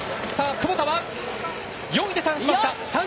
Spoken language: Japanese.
窪田は４位でターンしました。